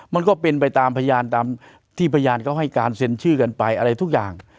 มันก็เป็นไปตามพยานตามที่พยานเขาให้การเซ็นชื่อกันไปอะไรทุกอย่าง